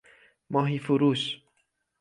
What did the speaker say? ماهیفروش